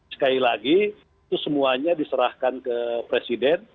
sekali lagi itu semuanya diserahkan ke presiden